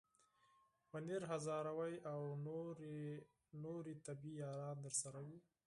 منیر هزاروی او نورې طبې یاران درسره وي.